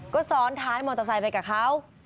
ก็ซ้อนท้ายมอเตอร์ไซค์ไปกับเขา